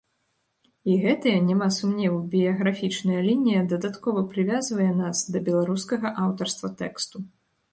І гэтая, няма сумневу, біяграфічная лінія дадаткова прывязвае нас да беларускага аўтарства тэксту.